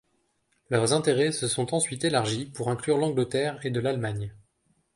Leurs intérêts se sont ensuite élargis pour inclure l'Angleterre et de l'Allemagne.